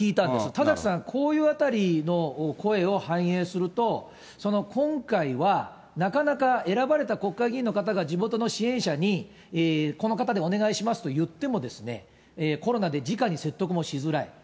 田崎さん、こういうあたりの声を反映すると、今回はなかなか選ばれた国会議員の方が、地元の支援者にこの方でお願いしますといっても、コロナでじかに説得もしづらい。